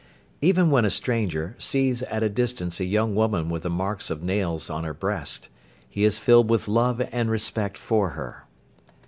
Even when a stranger sees at a distance a young woman with the marks of nails on her breast, he is filled with love and respect for her.